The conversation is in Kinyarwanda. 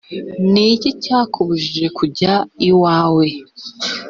niki cyakubujije kujya iwawe